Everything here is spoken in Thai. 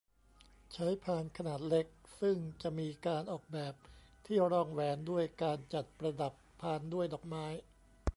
ใช้พานขนาดเล็กซึ่งจะมีการออกแบบที่รองแหวนด้วยการจัดประดับพานด้วยดอกไม้